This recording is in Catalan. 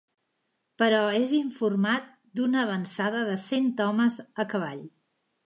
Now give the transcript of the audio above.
Però és informat d'una avançada de cent homes a cavall.